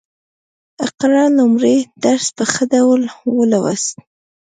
اقرا لومړی درس په ښه ډول ولوست